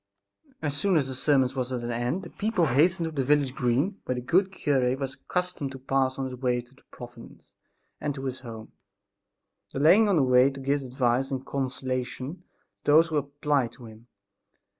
As soon as the sermon was at an end the people hastened to the village green, where the good cure was accustomed to pass on the way to the "Providence" and to his home, delaying on the way to give advice and consolation to those who applied to him.